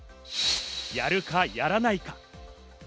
やるかやらないか。